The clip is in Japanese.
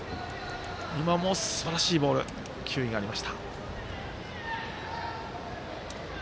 今も、すばらしいボール球威がありました。